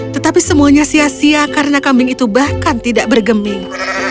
tetapi semuanya sia sia karena kambing itu bahkan tidak bergeming